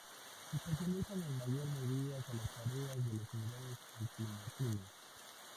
Se especializan en mayor medidas a las tareas de las unidades antimotines.